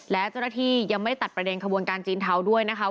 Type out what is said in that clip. และเจ้าหน้าที่ยังไม่ตัดประเด็นขบวนการจีนเทาด้วยนะคะ